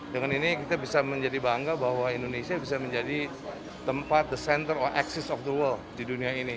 dengan ini kita bisa menjadi bangga bahwa indonesia bisa menjadi tempat the center of access of the world di dunia ini